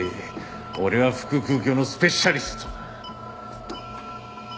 俺は腹腔鏡のスペシャリストだ。